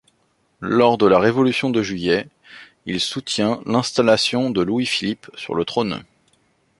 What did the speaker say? Lors de la Révolution de juillet, il soutient l'installation de Louis-Philippe sur le trône.